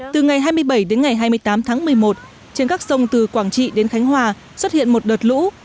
từ ngày hai mươi bảy đến ngày hai mươi tám tháng một mươi một trên các sông từ quảng trị đến khánh hòa xuất hiện một đợt lũ